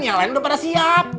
yang lain udah pada siap